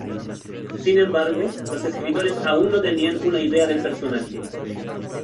Sin embargo, los escritores aún no tenían una idea del personaje.